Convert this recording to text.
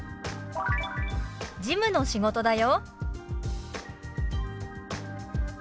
「事務の仕事だよ」。